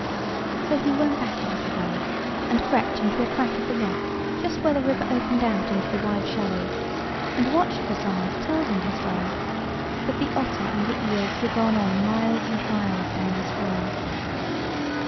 So he went back a little way, and crept into a crack of the rock, just where the river opened out into the wide shallows, and watched for some one to tell him his way: but the otter and the eels were gone on miles and miles down the stream.